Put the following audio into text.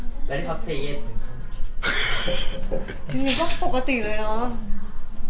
จริงก็ปกติเลยเนาะ